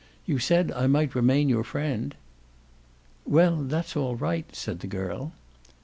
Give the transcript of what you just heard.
You said I might remain your friend." "Well, that's all right," said the girl.